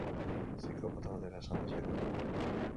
Psikopata bat dela esan dezakegu?